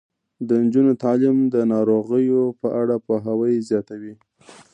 د نجونو تعلیم د ناروغیو په اړه پوهاوی زیاتوي.